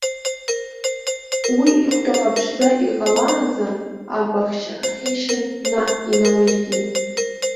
Уи ихәда ҟаԥшьӡа иҟалаанӡа ампахьшьы ахьишьын наҟ иналиркит.